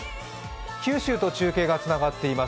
九州と中継がつながっています。